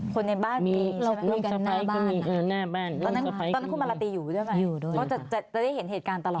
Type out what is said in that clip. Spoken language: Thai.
เขาจะได้เห็นเหตุการณ์ตลอด